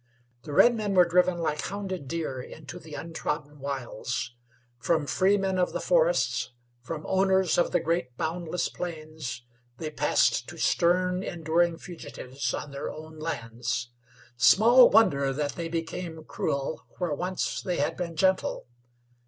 The redmen were driven like hounded deer into the untrodden wilds. From freemen of the forests, from owners of the great boundless plains, they passed to stern, enduring fugitives on their own lands. Small wonder that they became cruel where once they had been gentle!